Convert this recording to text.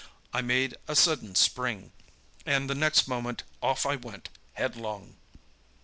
I made a sudden spring, and the next moment off I went, headlong!